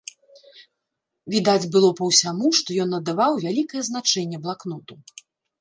Відаць было па ўсяму, што ён надаваў вялікае значэнне блакноту.